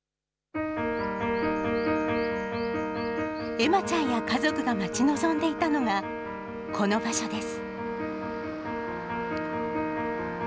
恵麻ちゃんや家族が待ち望んでいたのが、この場所です。